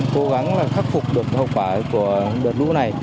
cố gắng khắc phục được hậu quả của đợt lũ này